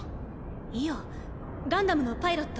イオガンダムのパイロット。